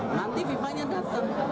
nanti fifa nya datang